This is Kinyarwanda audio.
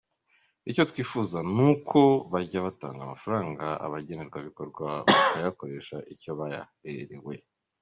Icyo twifuza ni uko bajya batanga amafaranga abagenerwabikorwa bakayakoresha icyo bayaherewe".